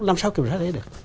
làm sao kiểm tra thế được